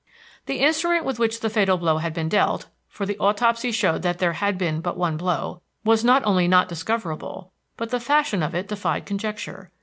The instrument with which the fatal blow had been dealt for the autopsy showed that there had been but one blow was not only not discoverable, but the fashion of it defied conjecture.